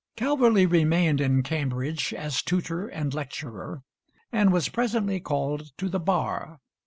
Calverley remained in Cambridge as tutor and lecturer, and was presently called to the bar.